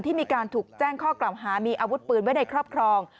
ที่มีการถูกแจ้งข้อกล่าวหามีอาวุธปืนไว้ในครอบครอง